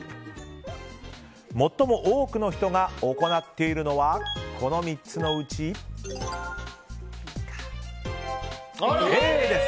最も多くの人が行っているのはこの３つのうち、Ａです。